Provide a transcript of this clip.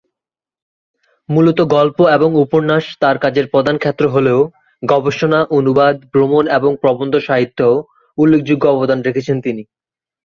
মূলত গল্প এবং উপন্যাস তার কাজের প্রধান ক্ষেত্র হলেও গবেষণা, অনুবাদ, ভ্রমণ এবং প্রবন্ধ সাহিত্যেও উল্লেখযোগ্য অবদান রেখেছেন তিনি।